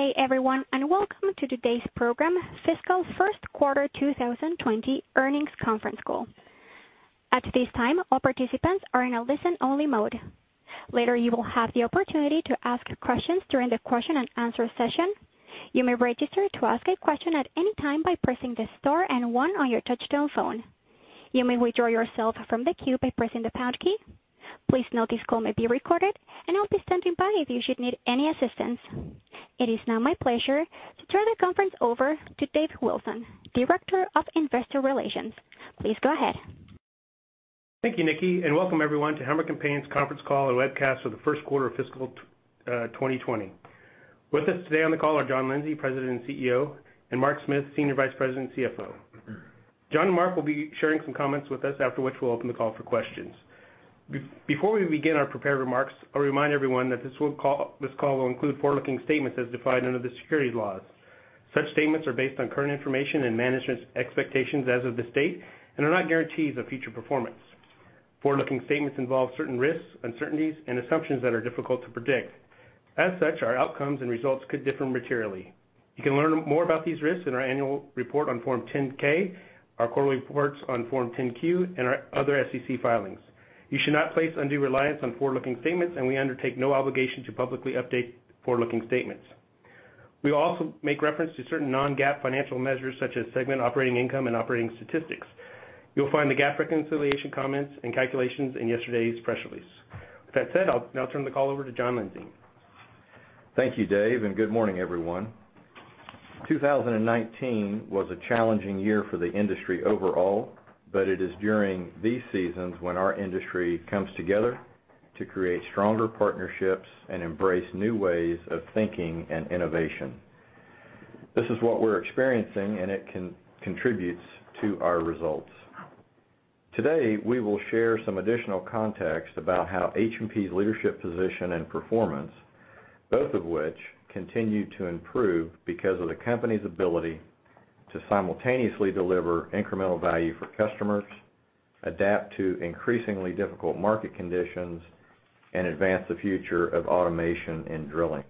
Good day everyone, and welcome to today's program, Fiscal First Quarter 2020 Earnings Conference Call. At this time, all participants are in a listen-only mode. Later, you will have the opportunity to ask questions during the question and answer session. You may register to ask a question at any time by pressing the star and one on your touch-tone phone. You may withdraw yourself from the queue by pressing the pound key. Please note this call may be recorded, and I'll be standing by if you should need any assistance. It is now my pleasure to turn the conference over to Dave Wilson, Director of Investor Relations. Please go ahead. Thank you, Nikki, and welcome everyone to Helmerich & Payne's conference call and webcast for the first quarter of fiscal 2020. With us today on the call are John Lindsay, President and CEO, and Mark Smith, Senior Vice President and CFO. John and Mark will be sharing some comments with us, after which we'll open the call for questions. Before we begin our prepared remarks, I'll remind everyone that this call will include forward-looking statements as defined under the security laws. Such statements are based on current information and management's expectations as of this date and are not guarantees of future performance. Forward-looking statements involve certain risks, uncertainties, and assumptions that are difficult to predict. As such, our outcomes and results could differ materially. You can learn more about these risks in our annual report on Form 10-K, our quarterly reports on Form 10-Q, and our other SEC filings. You should not place undue reliance on forward-looking statements, and we undertake no obligation to publicly update forward-looking statements. We also make reference to certain non-GAAP financial measures such as segment operating income and operating statistics. You'll find the GAAP reconciliation comments and calculations in yesterday's press release. With that said, I'll now turn the call over to John Lindsay. Thank you, Dave. Good morning, everyone. 2019 was a challenging year for the industry overall. It is during these seasons when our industry comes together to create stronger partnerships and embrace new ways of thinking and innovation. This is what we're experiencing, and it contributes to our results. Today, we will share some additional context about how H&P's leadership position and performance, both of which continue to improve because of the company's ability to simultaneously deliver incremental value for customers, adapt to increasingly difficult market conditions, and advance the future of automation and drilling.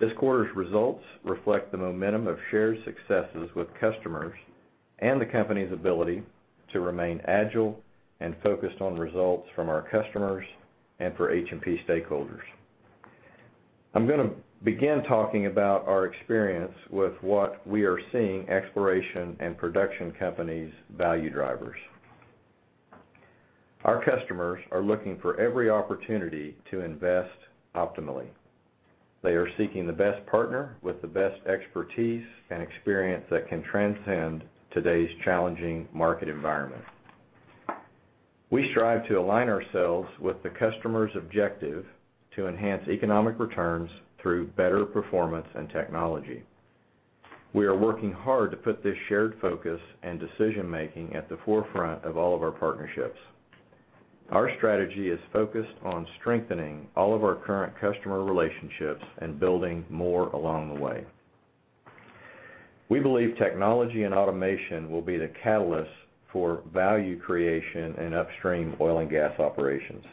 This quarter's results reflect the momentum of shared successes with customers and the company's ability to remain agile and focused on results from our customers and for H&P stakeholders. I'm gonna begin talking about our experience with what we are seeing exploration and production companies' value drivers. Our customers are looking for every opportunity to invest optimally. They are seeking the best partner with the best expertise and experience that can transcend today's challenging market environment. We strive to align ourselves with the customer's objective to enhance economic returns through better performance and technology. We are working hard to put this shared focus and decision-making at the forefront of all of our partnerships. Our strategy is focused on strengthening all of our current customer relationships and building more along the way. We believe technology and automation will be the catalyst for value creation in upstream oil and gas operations.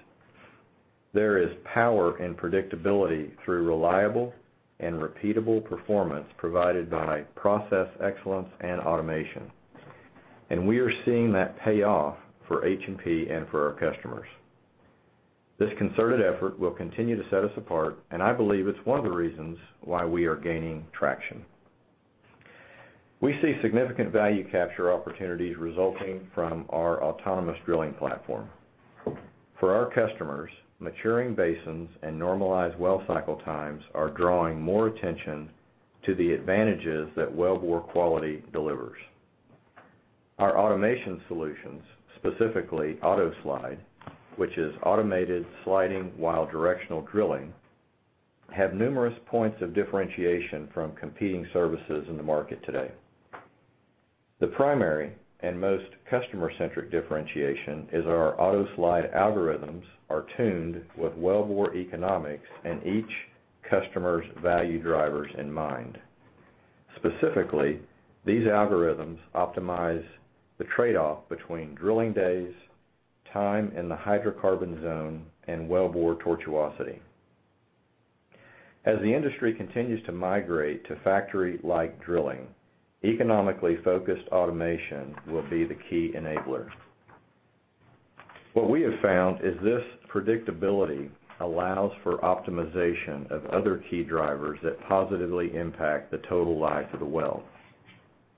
There is power in predictability through reliable and repeatable performance provided by process excellence and automation. We are seeing that pay off for H&P and for our customers. This concerted effort will continue to set us apart, and I believe it's one of the reasons why we are gaining traction. We see significant value capture opportunities resulting from our autonomous drilling platform. For our customers, maturing basins and normalized well cycle times are drawing more attention to the advantages that well bore quality delivers. Our automation solutions, specifically AutoSlide, which is automated sliding while directional drilling, have numerous points of differentiation from competing services in the market today. The primary and most customer-centric differentiation is our AutoSlide algorithms are tuned with well bore economics and each customer's value drivers in mind. Specifically, these algorithms optimize the trade-off between drilling days, time in the hydrocarbon zone, and well bore tortuosity. As the industry continues to migrate to factory-like drilling, economically focused automation will be the key enabler. What we have found is this predictability allows for optimization of other key drivers that positively impact the total life of the well.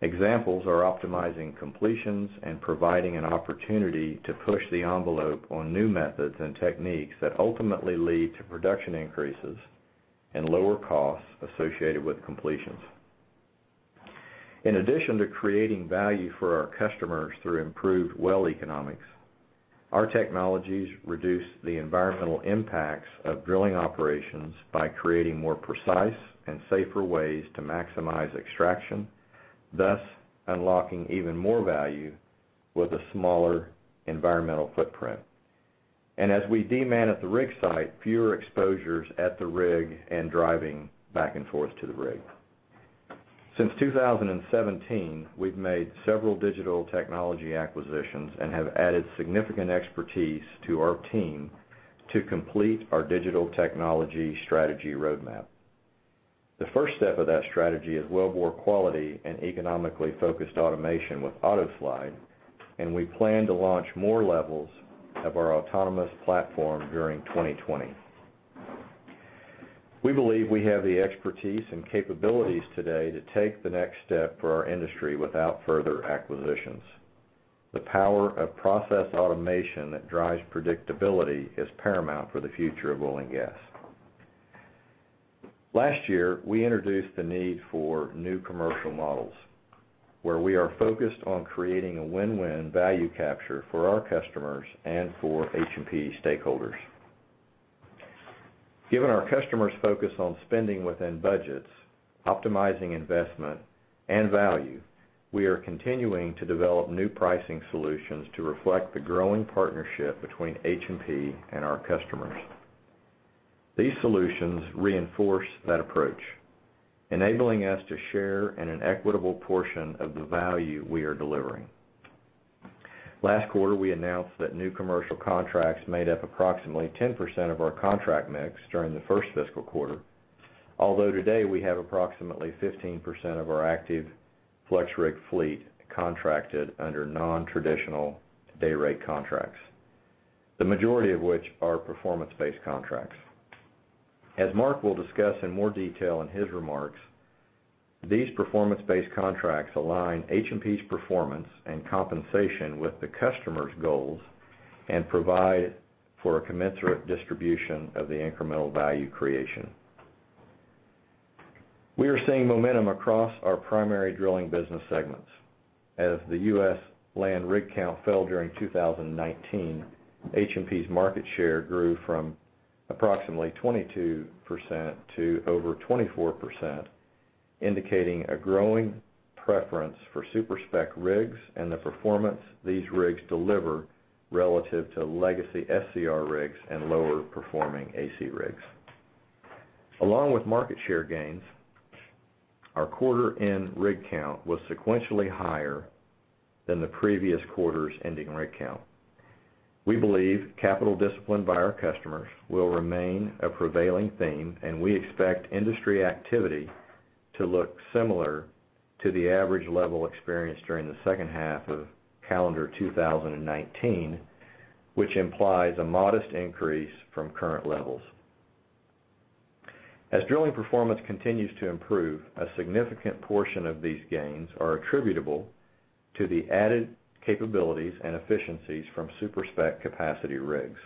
Examples are optimizing completions and providing an opportunity to push the envelope on new methods and techniques that ultimately lead to production increases and lower costs associated with completions. In addition to creating value for our customers through improved well economics, our technologies reduce the environmental impacts of drilling operations by creating more precise and safer ways to maximize extraction, thus unlocking even more value with a smaller environmental footprint. As we demand at the rig site, fewer exposures at the rig and driving back and forth to the rig. Since 2017, we've made several digital technology acquisitions and have added significant expertise to our team to complete our digital technology strategy roadmap. The first step of that strategy is wellbore quality and economically focused automation with AutoSlide, and we plan to launch more levels of our autonomous platform during 2020. We believe we have the expertise and capabilities today to take the next step for our industry without further acquisitions. The power of process automation that drives predictability is paramount for the future of oil and gas. Last year, we introduced the need for new commercial models, where we are focused on creating a win-win value capture for our customers and for H&P stakeholders. Given our customers' focus on spending within budgets, optimizing investment and value, we are continuing to develop new pricing solutions to reflect the growing partnership between H&P and our customers. These solutions reinforce that approach, enabling us to share in an equitable portion of the value we are delivering. Last quarter, we announced that new commercial contracts made up approximately 10% of our contract mix during the first fiscal quarter. Although today, we have approximately 15% of our active FlexRig fleet contracted under non-traditional day rate contracts, the majority of which are performance-based contracts. As Mark will discuss in more detail in his remarks, these performance-based contracts align H&P's performance and compensation with the customer's goals and provide for a commensurate distribution of the incremental value creation. We are seeing momentum across our primary drilling business segments. As the U.S. land rig count fell during 2019, H&P's market share grew from approximately 22% to over 24%, indicating a growing preference for super-spec rigs and the performance these rigs deliver relative to legacy SCR rigs and lower performing AC rigs. Along with market share gains, our quarter-end rig count was sequentially higher than the previous quarter's ending rig count. We believe capital discipline by our customers will remain a prevailing theme. We expect industry activity to look similar to the average level experienced during the second half of calendar 2019, which implies a modest increase from current levels. As drilling performance continues to improve, a significant portion of these gains are attributable to the added capabilities and efficiencies from super-spec capacity rigs.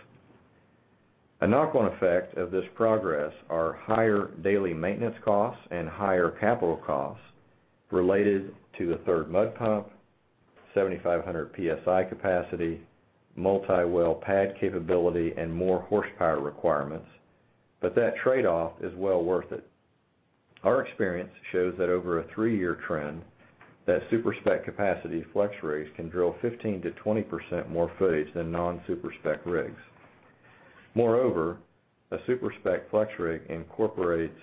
A knock-on effect of this progress are higher daily maintenance costs and higher capital costs related to the third mud pump, 7,500 PSI capacity, multi-well pad capability, and more horsepower requirements. That trade-off is well worth it. Our experience shows that over a three-year trend, that super-spec capacity FlexRigs can drill 15%-20% more footage than non-super-spec rigs. Moreover, a super-spec FlexRig incorporates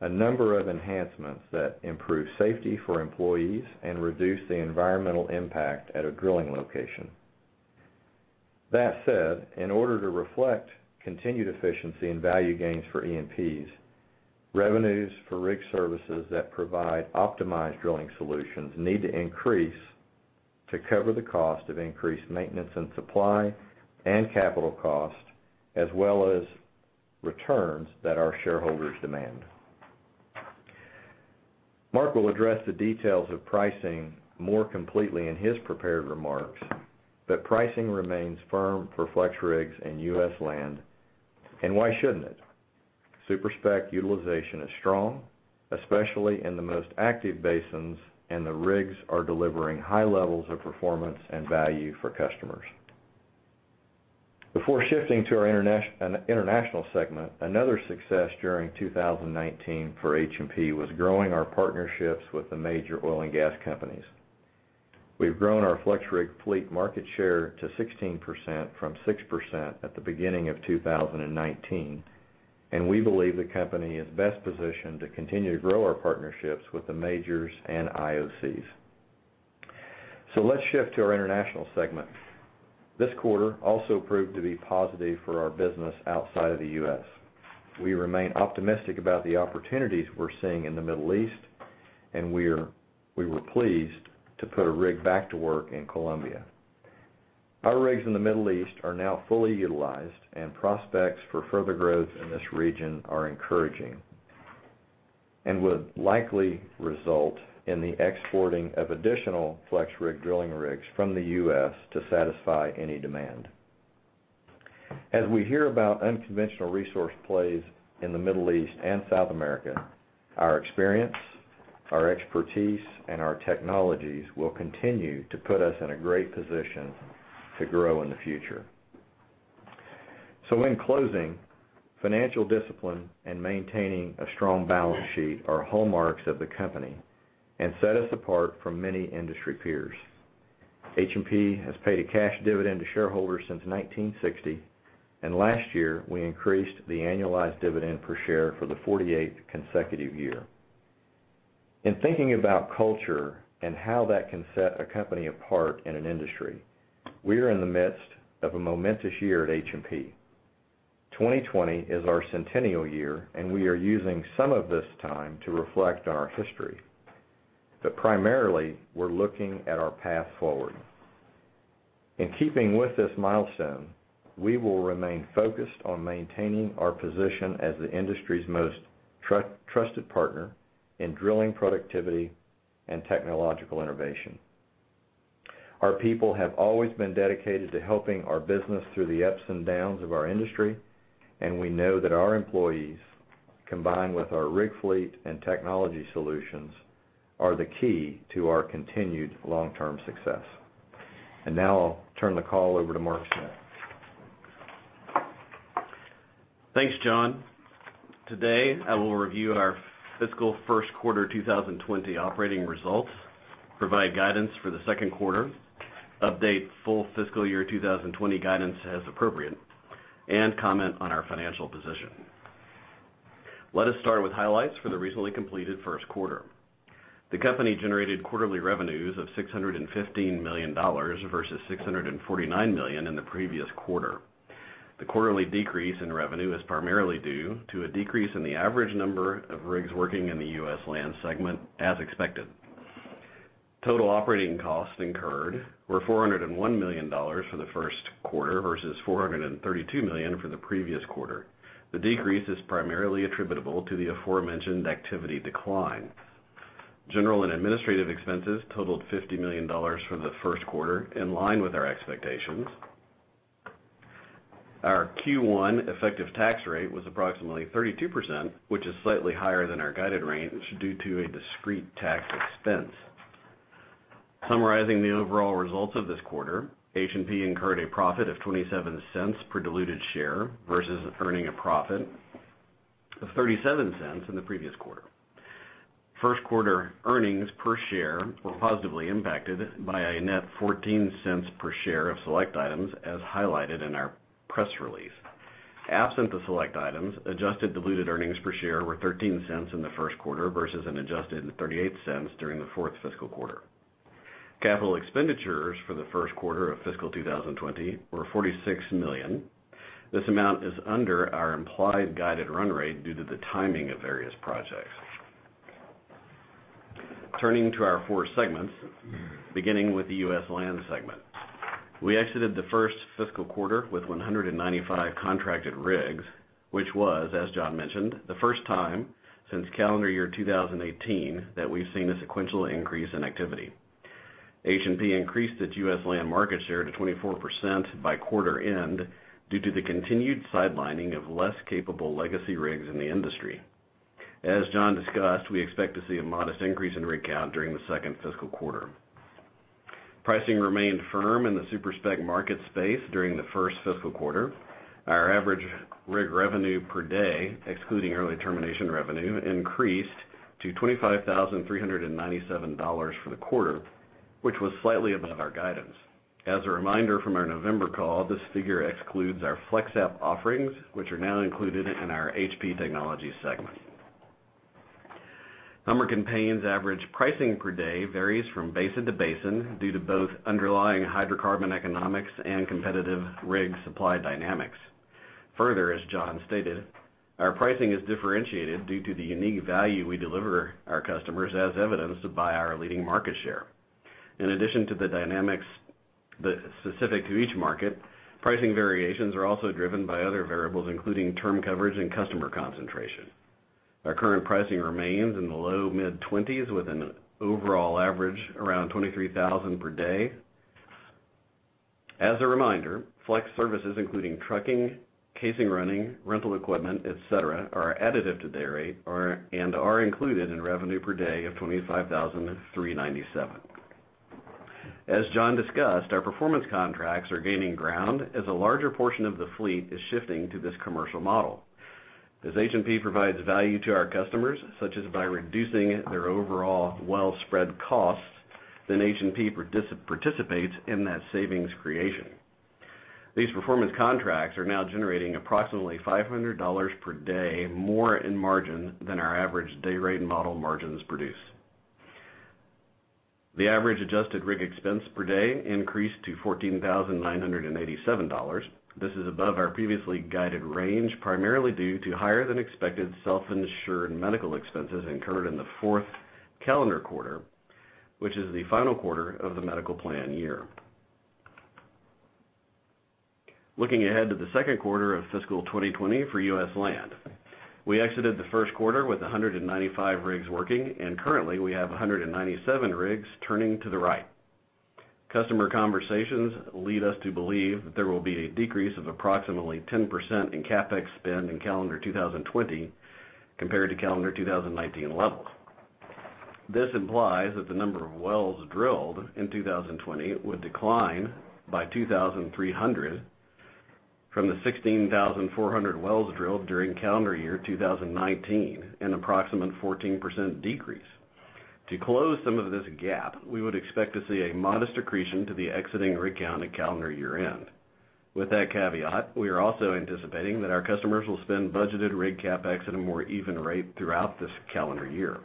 a number of enhancements that improve safety for employees and reduce the environmental impact at a drilling location. That said, in order to reflect continued efficiency and value gains for E&Ps, revenues for rig services that provide optimized drilling solutions need to increase to cover the cost of increased maintenance and supply and capital cost, as well as returns that our shareholders demand. Mark will address the details of pricing more completely in his prepared remarks, but pricing remains firm for FlexRigs in U.S. Land. Why shouldn't it? super-spec utilization is strong, especially in the most active basins, and the rigs are delivering high levels of performance and value for customers. Before shifting to our international segment, another success during 2019 for H&P was growing our partnerships with the major oil and gas companies. We've grown our FlexRig fleet market share to 16% from 6% at the beginning of 2019, and we believe the company is best positioned to continue to grow our partnerships with the majors and IOCs. Let's shift to our international segment. This quarter also proved to be positive for our business outside of the U.S. We remain optimistic about the opportunities we're seeing in the Middle East, and we were pleased to put a rig back to work in Colombia. Our rigs in the Middle East are now fully utilized, and prospects for further growth in this region are encouraging and would likely result in the exporting of additional FlexRig drilling rigs from the U.S. to satisfy any demand. As we hear about unconventional resource plays in the Middle East and South America, our experience, our expertise, and our technologies will continue to put us in a great position to grow in the future. In closing, financial discipline and maintaining a strong balance sheet are hallmarks of the company and set us apart from many industry peers. H&P has paid a cash dividend to shareholders since 1960, and last year, we increased the annualized dividend per share for the 48th consecutive year. In thinking about culture and how that can set a company apart in an industry, we are in the midst of a momentous year at H&P. 2020 is our centennial year, and we are using some of this time to reflect on our history. Primarily, we're looking at our path forward. In keeping with this milestone, we will remain focused on maintaining our position as the industry's most trusted partner in drilling productivity and technological innovation. Our people have always been dedicated to helping our business through the ups and downs of our industry, and we know that our employees, combined with our rig fleet and technology solutions, are the key to our continued long-term success. Now I'll turn the call over to Mark Smith. Thanks, John. Today, I will review our fiscal first quarter 2020 operating results, provide guidance for the second quarter, update full fiscal year 2020 guidance as appropriate, and comment on our financial position. Let us start with highlights for the recently completed first quarter. The company generated quarterly revenues of $615 million versus $649 million in the previous quarter. The quarterly decrease in revenue is primarily due to a decrease in the average number of rigs working in the U.S. land segment, as expected. Total operating costs incurred were $401 million for the first quarter versus $432 million for the previous quarter. The decrease is primarily attributable to the aforementioned activity decline. General and administrative expenses totaled $50 million for the first quarter, in line with our expectations. Our Q1 effective tax rate was approximately 32%, which is slightly higher than our guided range due to a discrete tax expense. Summarizing the overall results of this quarter, H&P incurred a profit of $0.27 per diluted share versus earning a profit of $0.37 in the previous quarter. First quarter earnings per share were positively impacted by a net $0.14 per share of select items, as highlighted in our press release. Absent the select items, adjusted diluted earnings per share were $0.13 in the first quarter versus an adjusted $0.38 during the fourth fiscal quarter. Capital expenditures for the first quarter of fiscal 2020 were $46 million. This amount is under our implied guided run rate due to the timing of various projects. Turning to our four segments, beginning with the U.S. land segment. We exited the first fiscal quarter with 195 contracted rigs, which was, as John mentioned, the first time since calendar year 2018 that we've seen a sequential increase in activity. H&P increased its U.S. land market share to 24% by quarter end due to the continued sidelining of less capable legacy rigs in the industry. As John discussed, we expect to see a modest increase in rig count during the second fiscal quarter. Pricing remained firm in the super-spec market space during the first fiscal quarter. Our average rig revenue per day, excluding early termination revenue, increased to $25,397 for the quarter, which was slightly above our guidance. As a reminder from our November call, this figure excludes our FlexApp offerings, which are now included in our H&P Technologies segment. Helmerich & Payne's average pricing per day varies from basin to basin due to both underlying hydrocarbon economics and competitive rig supply dynamics. Further, as John stated, our pricing is differentiated due to the unique value we deliver our customers, as evidenced by our leading market share. In addition to the dynamics specific to each market, pricing variations are also driven by other variables, including term coverage and customer concentration. Our current pricing remains in the low mid-20s, with an overall average around $23,000 per day. As a reminder, flex services, including trucking, casing running, rental equipment, et cetera, are additive to day rate and are included in revenue per day of $25,397. As John discussed, our performance contracts are gaining ground as a larger portion of the fleet is shifting to this commercial model. As H&P provides value to our customers, such as by reducing their overall well spread costs, H&P participates in that savings creation. These performance contracts are now generating approximately $500 per day more in margin than our average day rate model margins produce. The average adjusted rig expense per day increased to $14,987. This is above our previously guided range, primarily due to higher than expected self-insured medical expenses incurred in the fourth calendar quarter, which is the final quarter of the medical plan year. Looking ahead to the second quarter of fiscal 2020 for U.S. land. We exited the first quarter with 195 rigs working. Currently, we have 197 rigs turning to the right. Customer conversations lead us to believe that there will be a decrease of approximately 10% in CapEx spend in calendar 2020 compared to calendar 2019 levels. This implies that the number of wells drilled in 2020 would decline by 2,300 from the 16,400 wells drilled during calendar year 2019, an approximate 14% decrease. To close some of this gap, we would expect to see a modest accretion to the exiting rig count at calendar year-end. With that caveat, we are also anticipating that our customers will spend budgeted rig CapEx at a more even rate throughout this calendar year.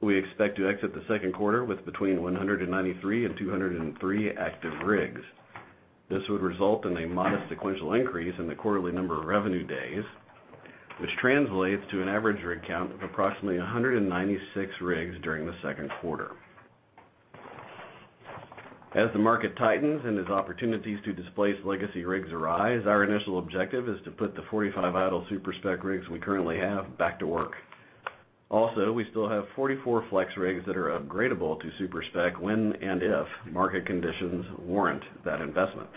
We expect to exit the second quarter with between 193 and 203 active rigs. This would result in a modest sequential increase in the quarterly number of revenue days, which translates to an average rig count of approximately 196 rigs during the second quarter. Our initial objective is to put the 45 idle super-spec rigs we currently have back to work. We still have 44 FlexRigs that are upgradable to super-spec when and if market conditions warrant that investment.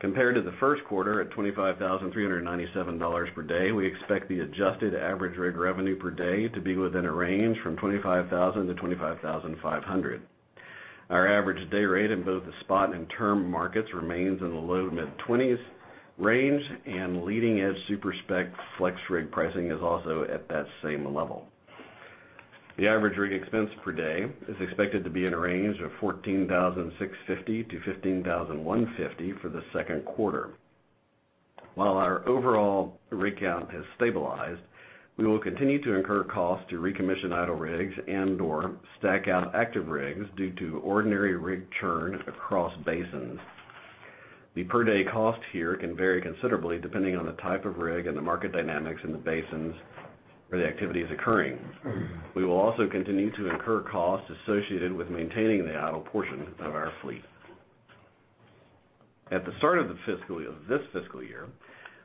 Compared to the first quarter at $25,397 per day, we expect the adjusted average rig revenue per day to be within a range from $25,000-$25,500. Our average day rate in both the spot and term markets remains in the low mid 20s range. Leading edge super-spec FlexRig pricing is also at that same level. The average rig expense per day is expected to be in a range of $14,650-$15,150 for the second quarter. While our overall rig count has stabilized, we will continue to incur costs to recommission idle rigs and/or stack out active rigs due to ordinary rig churn across basins. The per day cost here can vary considerably depending on the type of rig and the market dynamics in the basins where the activity is occurring. We will also continue to incur costs associated with maintaining the idle portion of our fleet. At the start of this fiscal year,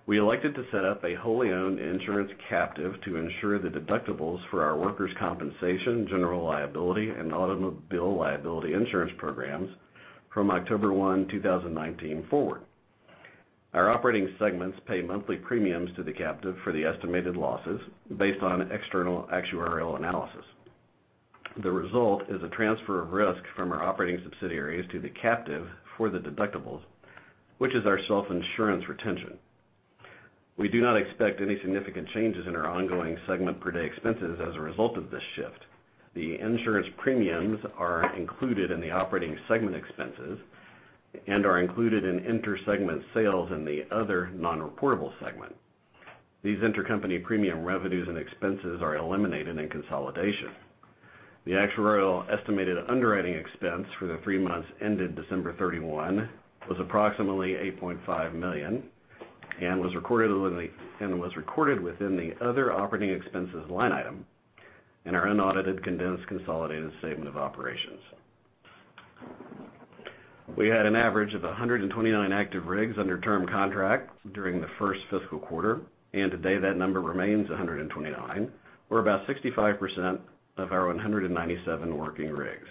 we elected to set up a wholly owned insurance captive to insure the deductibles for our workers' compensation, general liability, and automobile liability insurance programs from October 1, 2019 forward. Our operating segments pay monthly premiums to the captive for the estimated losses based on external actuarial analysis. The result is a transfer of risk from our operating subsidiaries to the captive for the deductibles, which is our self-insurance retention. We do not expect any significant changes in our ongoing segment per-day expenses as a result of this shift. The insurance premiums are included in the operating segment expenses and are included in inter-segment sales in the other non-reportable segment. These intercompany premium revenues and expenses are eliminated in consolidation. The actuarial estimated underwriting expense for the three months ended December 31 was approximately $8.5 million and was recorded within the other operating expenses line item in our unaudited, condensed, consolidated statement of operations. We had an average of 129 active rigs under term contract during the first fiscal quarter, and today that number remains 129 or about 65% of our 197 working rigs.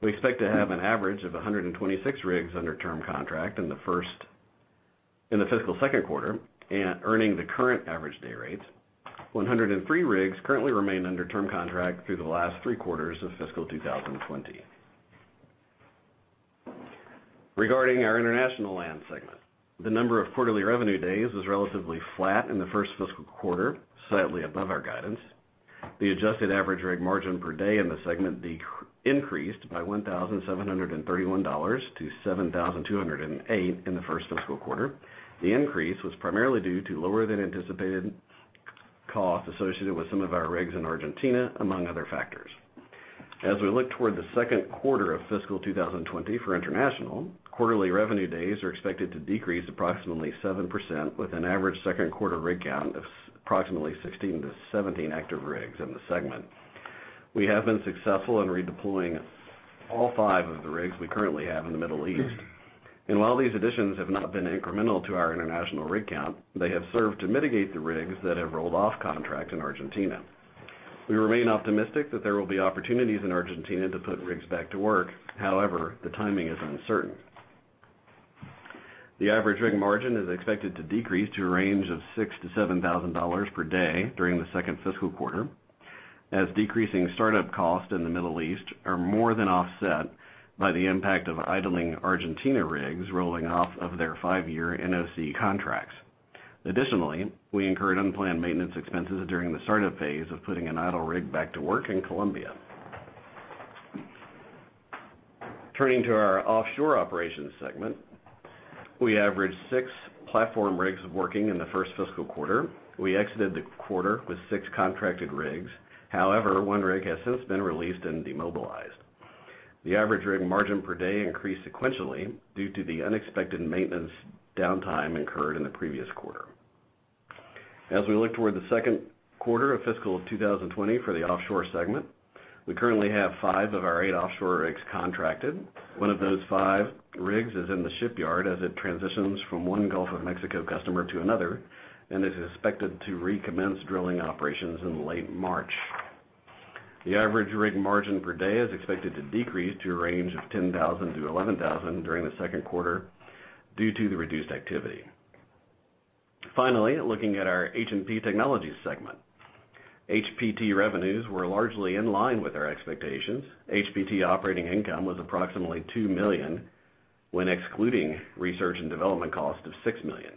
We expect to have an average of 126 rigs under term contract in the fiscal second quarter earning the current average day rates. 103 rigs currently remain under term contract through the last three quarters of fiscal 2020. Regarding our international land segment, the number of quarterly revenue days was relatively flat in the first fiscal quarter, slightly above our guidance. The adjusted average rig margin per day in the segment increased by $1,731-$7,208 in the first fiscal quarter. The increase was primarily due to lower than anticipated costs associated with some of our rigs in Argentina, among other factors. As we look toward the second quarter of fiscal 2020 for international, quarterly revenue days are expected to decrease approximately 7%, with an average second quarter rig count of approximately 16-17 active rigs in the segment. We have been successful in redeploying all five of the rigs we currently have in the Middle East. While these additions have not been incremental to our international rig count, they have served to mitigate the rigs that have rolled off contract in Argentina. We remain optimistic that there will be opportunities in Argentina to put rigs back to work. However, the timing is uncertain. The average rig margin is expected to decrease to a range of $6,000-$7,000 per day during the second fiscal quarter as decreasing startup costs in the Middle East are more than offset by the impact of idling Argentina rigs rolling off of their five-year NOC contracts. Additionally, we incurred unplanned maintenance expenses during the startup phase of putting an idle rig back to work in Colombia. Turning to our offshore operations segment, we averaged six platform rigs working in the first fiscal quarter. We exited the quarter with six contracted rigs. However, one rig has since been released and demobilized. The average rig margin per day increased sequentially due to the unexpected maintenance downtime incurred in the previous quarter. As we look toward the second quarter of fiscal 2020 for the offshore segment, we currently have five of our eight offshore rigs contracted. One of those five rigs is in the shipyard as it transitions from one Gulf of Mexico customer to another and is expected to recommence drilling operations in late March. The average rig margin per day is expected to decrease to a range of $10,000-$11,000 during the second quarter due to the reduced activity. Looking at our H&P Technologies segment. HPT revenues were largely in line with our expectations. HPT operating income was approximately $2 million when excluding research and development cost of $6 million.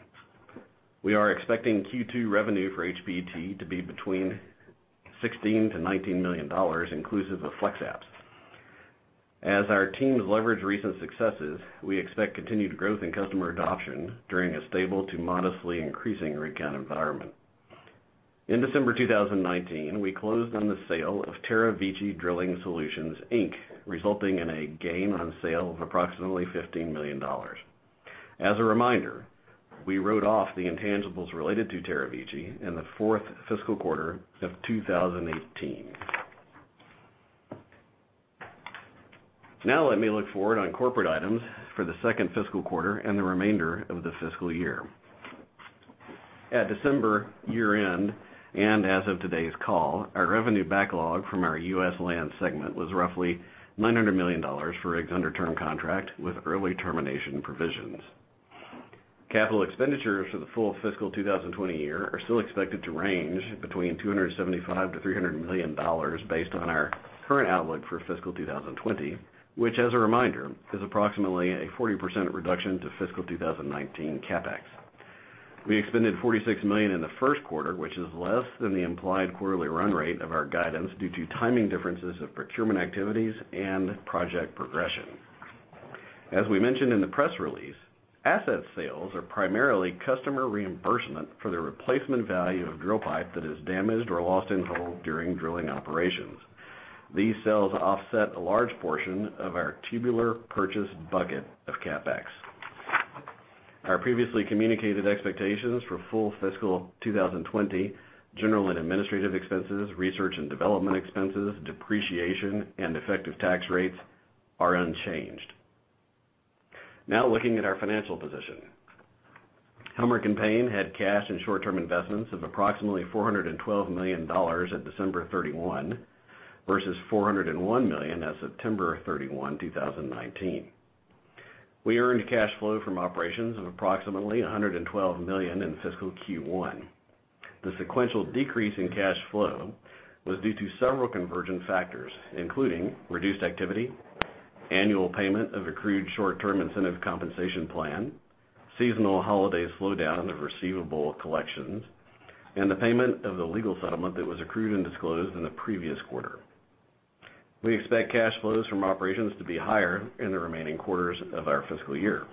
We are expecting Q2 revenue for HPT to be between $16 million-$19 million, inclusive of FlexApp. As our teams leverage recent successes, we expect continued growth in customer adoption during a stable to modestly increasing rig count environment. In December 2019, we closed on the sale of TerraVici Drilling Solutions Inc., resulting in a gain on sale of approximately $15 million. As a reminder, we wrote off the intangibles related to TerraVici in the fourth fiscal quarter of 2018. Let me look forward on corporate items for the second fiscal quarter and the remainder of the fiscal year. At December year-end, and as of today's call, our revenue backlog from our U.S. land segment was roughly $900 million for rigs under term contract with early termination provisions. Capital expenditures for the full fiscal 2020 year are still expected to range between $275 million-$300 million based on our current outlook for fiscal 2020, which, as a reminder, is approximately a 40% reduction to fiscal 2019 CapEx. We expended $46 million in the first quarter, which is less than the implied quarterly run rate of our guidance due to timing differences of procurement activities and project progression. As we mentioned in the press release, asset sales are primarily customer reimbursement for the replacement value of drill pipe that is damaged or lost in hole during drilling operations. These sales offset a large portion of our tubular purchase bucket of CapEx. Our previously communicated expectations for full fiscal 2020 general and administrative expenses, research and development expenses, depreciation, and effective tax rates are unchanged. Now, looking at our financial position. Helmerich & Payne had cash and short-term investments of approximately $412 million at December 31, versus $401 million at September 31, 2019. We earned cash flow from operations of approximately $112 million in fiscal Q1. The sequential decrease in cash flow was due to several convergent factors, including reduced activity, annual payment of accrued short-term incentive compensation plan, seasonal holiday slowdown of receivable collections, and the payment of the legal settlement that was accrued and disclosed in the previous quarter. We expect cash flows from operations to be higher in the remaining quarters of our fiscal year.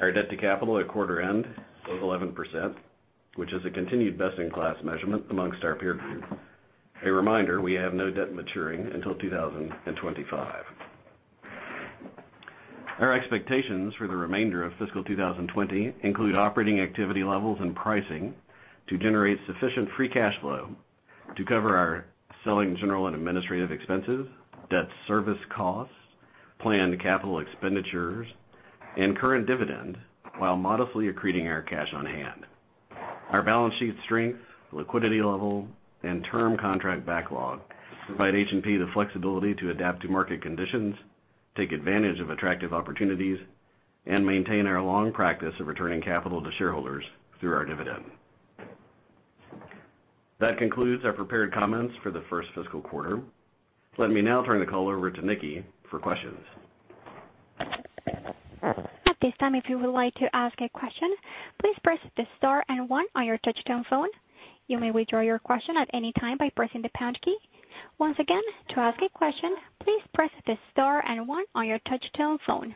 Our debt to capital at quarter end was 11%, which is a continued best-in-class measurement amongst our peer group. A reminder, we have no debt maturing until 2025. Our expectations for the remainder of fiscal 2020 include operating activity levels and pricing to generate sufficient free cash flow to cover our selling, general and administrative expenses, debt service costs, planned capital expenditures, and current dividend while modestly accreting our cash on hand. Our balance sheet strength, liquidity level, and term contract backlog provide H&P the flexibility to adapt to market conditions, take advantage of attractive opportunities, and maintain our long practice of returning capital to shareholders through our dividend. That concludes our prepared comments for the first fiscal quarter. Let me now turn the call over to Nikki for questions. At this time, if you would like to ask a question, please press star and one on your touch-tone phone. You may withdraw your question at any time by pressing the pound key. Once again, to ask a question, please press star and one on your touch-tone phone.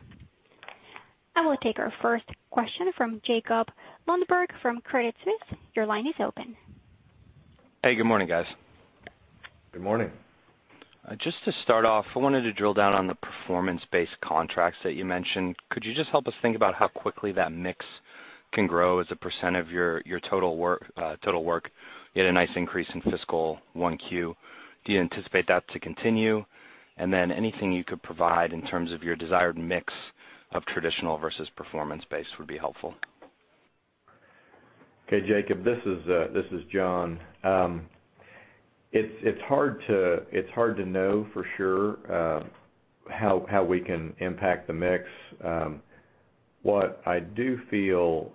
I will take our first question from Jacob Lundberg from Credit Suisse. Your line is open. Hey, good morning, guys. Good morning. Just to start off, I wanted to drill down on the performance-based contracts that you mentioned. Could you just help us think about how quickly that mix can grow as a percent of your total work? You had a nice increase in fiscal 1Q. Do you anticipate that to continue? Anything you could provide in terms of your desired mix of traditional versus performance-based would be helpful? Okay, Jacob, this is John. It's hard to know for sure how we can impact the mix. What I do feel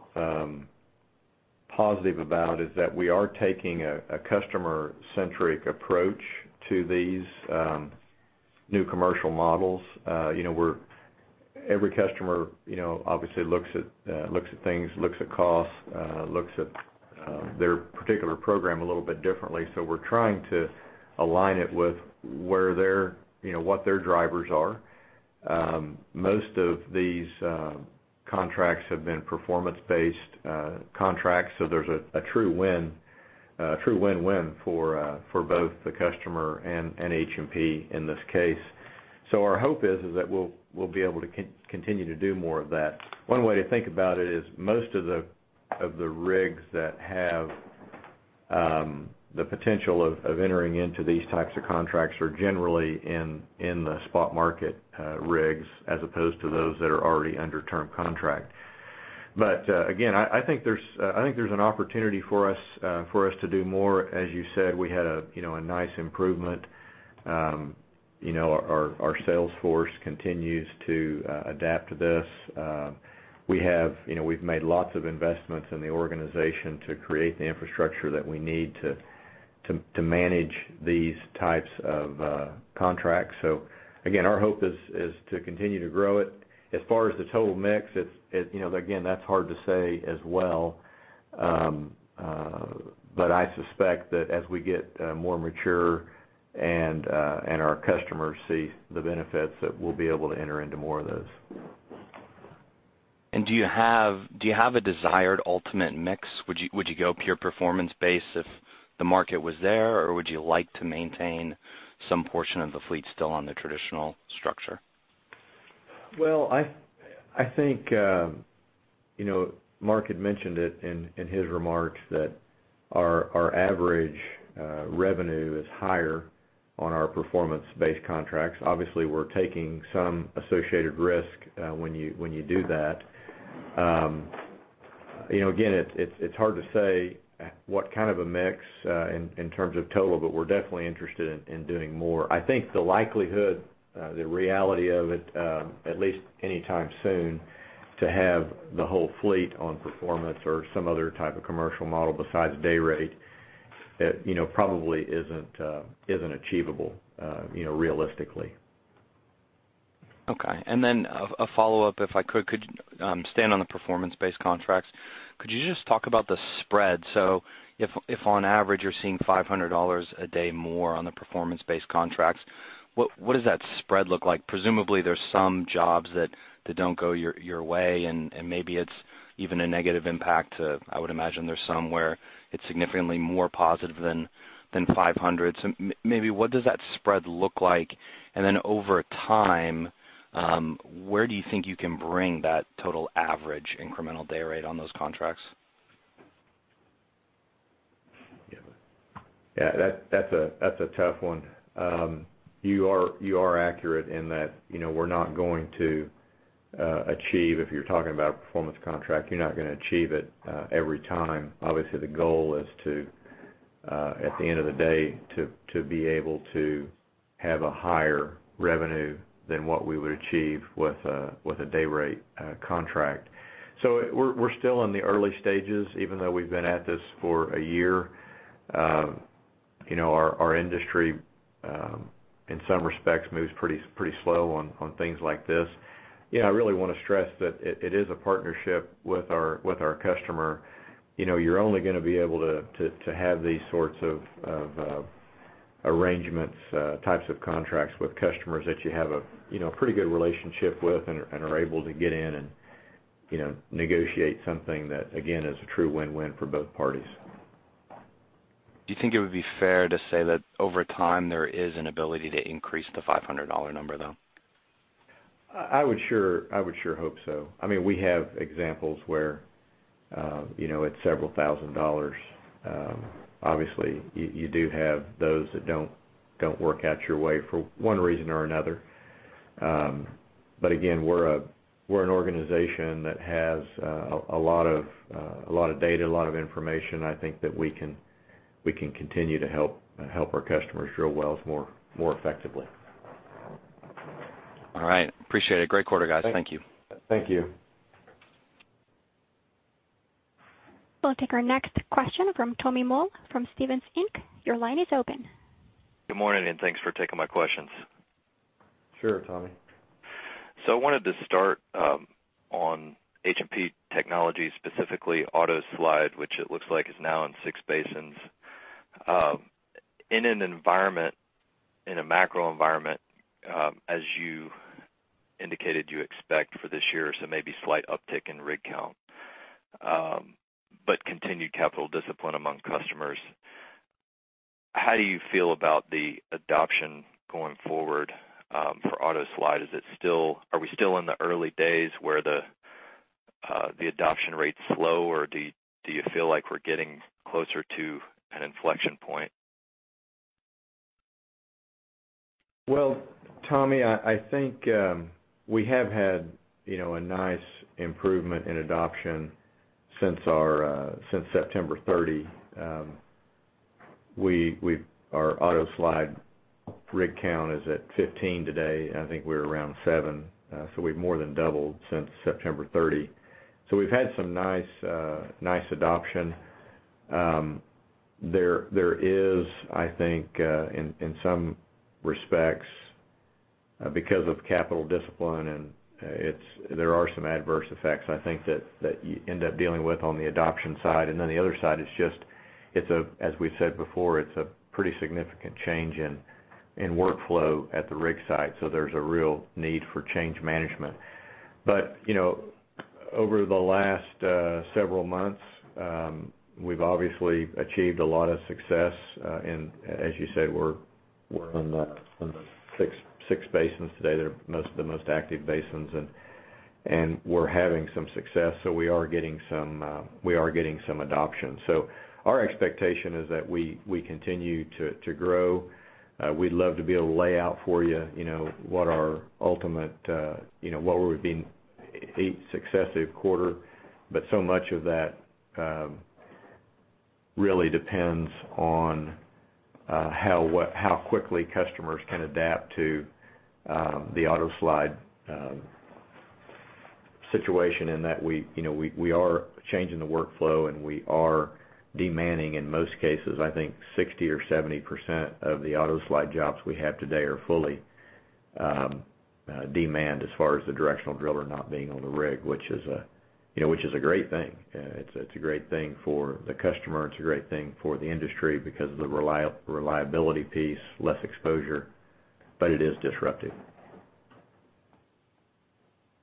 positive about is that we are taking a customer-centric approach to these new commercial models. Every customer obviously looks at things, looks at costs, looks at their particular program a little bit differently. We're trying to align it with what their drivers are. Most of these contracts have been performance-based contracts, so there's a true win-win for both the customer and H&P in this case. Our hope is that we'll be able to continue to do more of that. One way to think about it is most of the rigs that have the potential of entering into these types of contracts are generally in the spot market rigs as opposed to those that are already under term contract. Again, I think there's an opportunity for us to do more. As you said, we had a nice improvement Our sales force continues to adapt to this. We've made lots of investments in the organization to create the infrastructure that we need to manage these types of contracts. Again, our hope is to continue to grow it. As far as the total mix, again, that's hard to say as well. I suspect that as we get more mature and our customers see the benefits, that we'll be able to enter into more of those. Do you have a desired ultimate mix? Would you go pure performance-based if the market was there, or would you like to maintain some portion of the fleet still on the traditional structure? Well, I think Mark had mentioned it in his remarks that our average revenue is higher on our performance-based contracts. Obviously, we're taking some associated risk when you do that. Again, it's hard to say what kind of a mix in terms of total, but we're definitely interested in doing more. I think the likelihood, the reality of it, at least anytime soon, to have the whole fleet on performance or some other type of commercial model besides day rate, probably isn't achievable realistically. A follow-up, if I could. Staying on the performance-based contracts, could you just talk about the spread? If on average you're seeing $500 a day more on the performance-based contracts, what does that spread look like? Presumably there's some jobs that don't go your way, and maybe it's even a negative impact. I would imagine there's some where it's significantly more positive than $500. Maybe what does that spread look like? Over time, where do you think you can bring that total average incremental day rate on those contracts? That's a tough one. You are accurate in that we're not going to achieve, if you're talking about a performance contract, you're not going to achieve it every time. Obviously, the goal is to, at the end of the day, to be able to have a higher revenue than what we would achieve with a day rate contract. We're still in the early stages, even though we've been at this for a year. Our industry, in some respects, moves pretty slow on things like this. I really want to stress that it is a partnership with our customer. You're only going to be able to have these sorts of arrangements, types of contracts with customers that you have a pretty good relationship with and are able to get in and negotiate something that, again, is a true win-win for both parties. Do you think it would be fair to say that over time, there is an ability to increase the $500 number, though? I would sure hope so. We have examples where it's several thousand dollars. Obviously, you do have those that don't work out your way for one reason or another. Again, we're an organization that has a lot of data, a lot of information. I think that we can continue to help our customers drill wells more effectively. All right. Appreciate it. Great quarter, guys. Thank you. Thank you. We'll take our next question from Tommy Moll from Stephens Inc. Your line is open. Good morning, and thanks for taking my questions. Sure, Tommy. I wanted to start on H&P technology, specifically AutoSlide, which it looks like is now in six basins. In a macro environment, as you indicated you expect for this year, so maybe slight uptick in rig count, but continued capital discipline among customers, how do you feel about the adoption going forward for AutoSlide? Are we still in the early days where the adoption rate's slow, or do you feel like we're getting closer to an inflection point? Tommy, I think we have had a nice improvement in adoption since September 30. Our AutoSlide rig count is at 15 today, and I think we were around seven. We've more than doubled since September 30. We've had some nice adoption. There is, I think, in some respects, because of capital discipline and there are some adverse effects, I think that you end up dealing with on the adoption side. The other side, as we've said before, it's a pretty significant change in workflow at the rig site. There's a real need for change management. Over the last several months, we've obviously achieved a lot of success, and as you said, we're on the six basins today. They're the most active basins, and we're having some success. We are getting some adoptions. Our expectation is that we continue to grow. We'd love to be able to lay out for you what our ultimate, what would be eight successive quarter. So much of that really depends on how quickly customers can adapt to the AutoSlide situation, in that we are changing the workflow and we are demanding, in most cases. I think 60% or 70% of the AutoSlide jobs we have today are fully de-manned as far as the directional driller not being on the rig, which is a great thing. It's a great thing for the customer, it's a great thing for the industry because of the reliability piece, less exposure, but it is disruptive.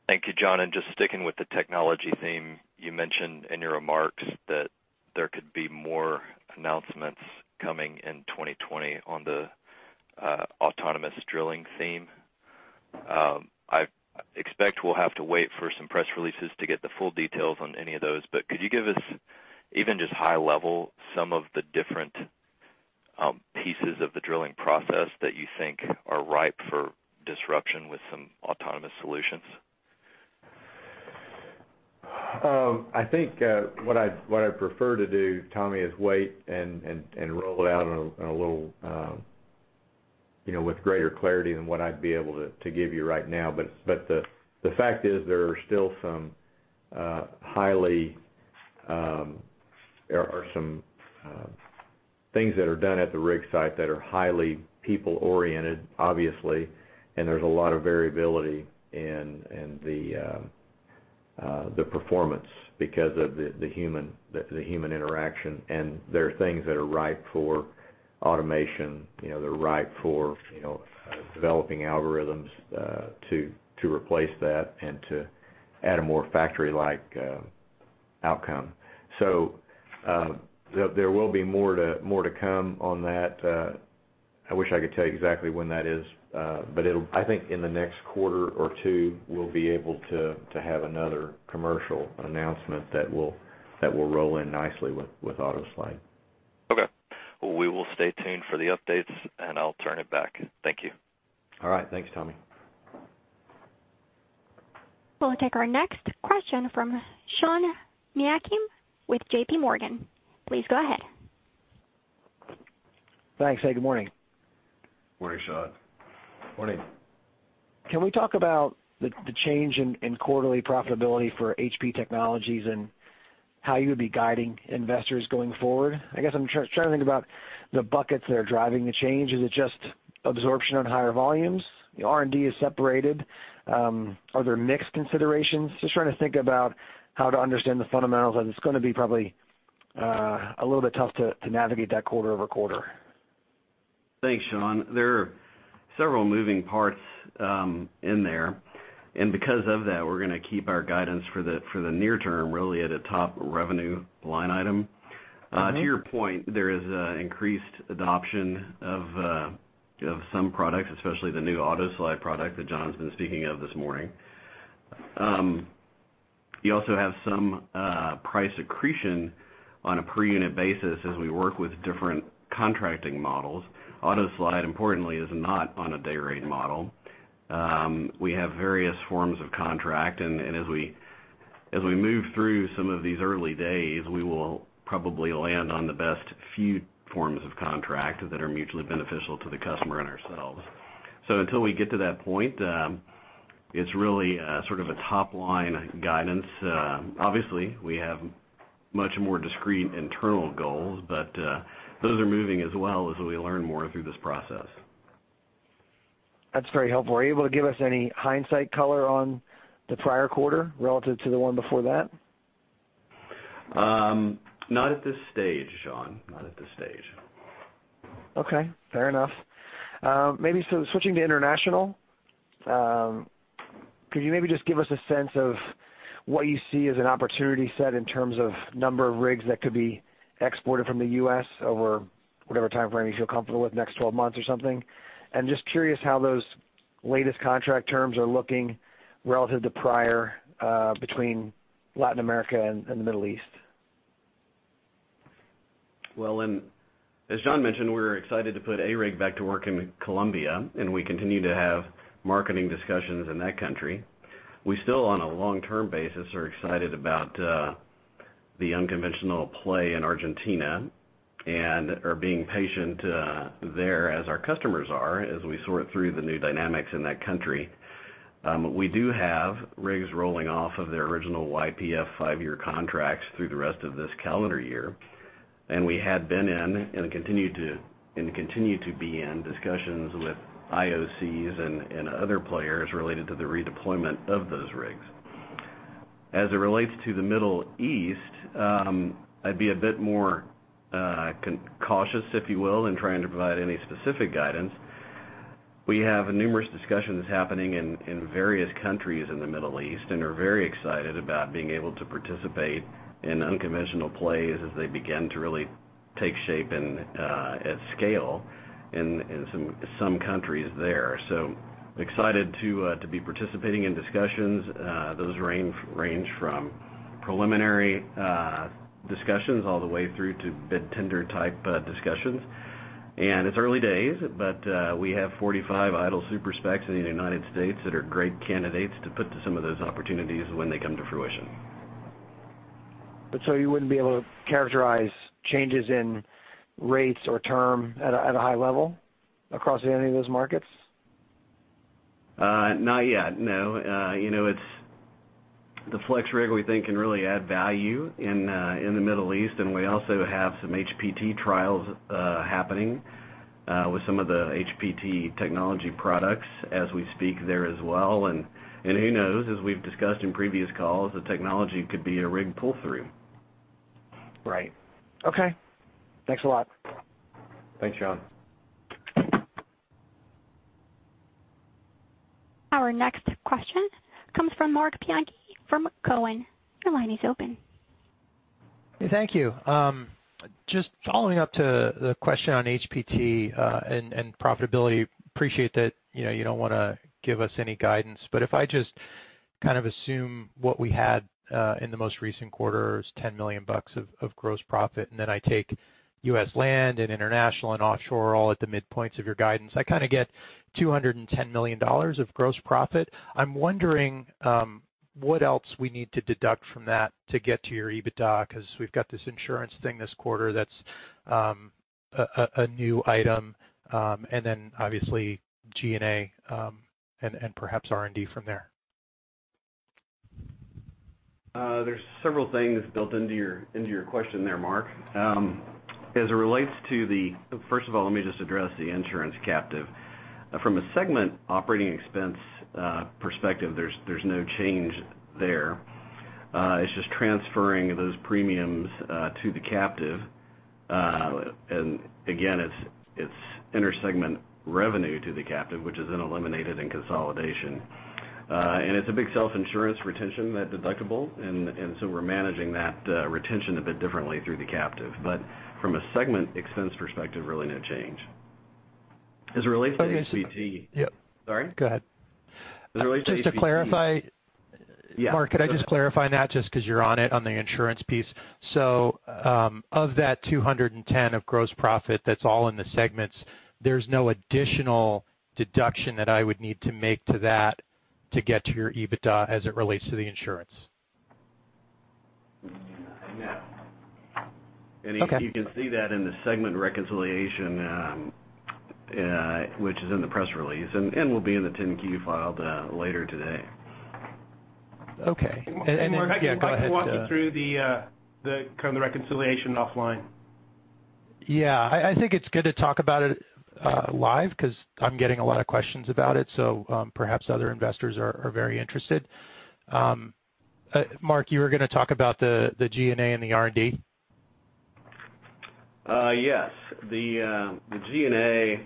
Thank you, John. Just sticking with the technology theme, you mentioned in your remarks that there could be more announcements coming in 2020 on the autonomous drilling theme. I expect we'll have to wait for some press releases to get the full details on any of those, but could you give us, even just high level, some of the different pieces of the drilling process that you think are ripe for disruption with some autonomous solutions? I think what I'd prefer to do, Tommy, is wait and roll it out with greater clarity than what I'd be able to give you right now. The fact is, there are some things that are done at the rig site that are highly people-oriented, obviously, and there's a lot of variability in the performance because of the human interaction. There are things that are ripe for automation. They're ripe for developing algorithms to replace that and to add a more factory-like outcome. There will be more to come on that. I wish I could tell you exactly when that is. I think in the next quarter or two, we'll be able to have another commercial announcement that will roll in nicely with AutoSlide. Well, we will stay tuned for the updates. I'll turn it back. Thank you. All right. Thanks, Tommy. We'll take our next question from Sean Meakim with JPMorgan. Please go ahead. Thanks. Hey, good morning. Morning, Sean. Morning. Can we talk about the change in quarterly profitability for H&P Technologies and how you would be guiding investors going forward? I guess I'm trying to think about the buckets that are driving the change. Is it just absorption on higher volumes? The R&D is separated. Are there mix considerations? Just trying to think about how to understand the fundamentals, as it's going to be probably a little bit tough to navigate that quarter-over-quarter? Thanks, Sean. There are several moving parts in there. Because of that, we're going to keep our guidance for the near term really at a top revenue line item. To your point, there is increased adoption of some products, especially the new AutoSlide product that John's been speaking of this morning. You also have some price accretion on a per unit basis as we work with different contracting models. AutoSlide, importantly, is not on a day rate model. We have various forms of contract, and as we move through some of these early days, we will probably land on the best few forms of contract that are mutually beneficial to the customer and ourselves. Until we get to that point, it's really a sort of a top-line guidance. Obviously, we have much more discreet internal goals, but those are moving as well as we learn more through this process. That's very helpful. Are you able to give us any hindsight color on the prior quarter relative to the one before that? Not at this stage, Sean. Not at this stage. Fair enough. Maybe switching to international, could you maybe just give us a sense of what you see as an opportunity set in terms of number of rigs that could be exported from the U.S. over whatever timeframe you feel comfortable with, next 12 months or something? Just curious how those latest contract terms are looking relative to prior between Latin America and the Middle East. As John mentioned, we're excited to put a rig back to work in Colombia, and we continue to have marketing discussions in that country. We still, on a long-term basis, are excited about the unconventional play in Argentina and are being patient there as our customers are, as we sort through the new dynamics in that country. We do have rigs rolling off of their original YPF five-year contracts through the rest of this calendar year, and we had been in, and continue to be in discussions with IOCs and other players related to the redeployment of those rigs. As it relates to the Middle East, I'd be a bit more cautious, if you will, in trying to provide any specific guidance. We have numerous discussions happening in various countries in the Middle East, and are very excited about being able to participate in unconventional plays as they begin to really take shape and at scale in some countries there. Excited to be participating in discussions. Those range from preliminary discussions all the way through to bid tender type discussions. It's early days, but we have 45 idle super-specs in the U.S. that are great candidates to put to some of those opportunities when they come to fruition. You wouldn't be able to characterize changes in rates or term at a high level across any of those markets? Not yet, no. The FlexRig, we think, can really add value in the Middle East, and we also have some HPT trials happening with some of the HPT technology products as we speak there as well. Who knows? As we've discussed in previous calls, the technology could be a rig pull-through. Thanks a lot. Thanks, Sean. Our next question comes from Marc Bianchi from Cowen. Your line is open. Thank you. Just following up to the question on HPT and profitability. Appreciate that you don't want to give us any guidance, but if I just kind of assume what we had in the most recent quarter is $10 million of gross profit, and then I take U.S. land and international and offshore all at the midpoints of your guidance, I kind of get $210 million of gross profit? I'm wondering what else we need to deduct from that to get to your EBITDA, because we've got this insurance thing this quarter that's a new item, and then obviously G&A, and perhaps R&D from there? There's several things built into your question there, Marc. First of all, let me just address the insurance captive. From a segment operating expense perspective, there's no change there. It's just transferring those premiums to the captive. Again, it's inter-segment revenue to the captive, which is then eliminated in consolidation. It's a big self-insurance retention, that deductible. We're managing that retention a bit differently through the captive. From a segment expense perspective, really no change. As it relates to HPT- Okay. Sorry? Go ahead. As it relates to HPT. Just to clarify. Yeah. Mark, could I just clarify that, just because you're on it, on the insurance piece. Of that $210 of gross profit, that's all in the segments, there's no additional deduction that I would need to make to that to get to your EBITDA as it relates to the insurance? You can see that in the segment reconciliation, which is in the press release and will be in the 10-Q filed later today. Okay. Mark, yeah, go ahead. I can walk you through the kind of the reconciliation offline. I think it's good to talk about it live because I'm getting a lot of questions about it. Perhaps other investors are very interested. Mark, you were gonna talk about the G&A and the R&D. Yes. The G&A,